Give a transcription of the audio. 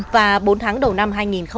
và bốn tháng đầu năm hai nghìn một mươi sáu